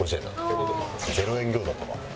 「０円餃子とは」